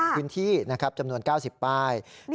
พื้นที่นะครับจำนวน๙๐ป้าย